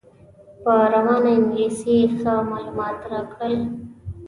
په روانه انګلیسي یې ښه معلومات راکړل.